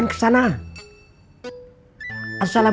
untuk mendapat istinak shot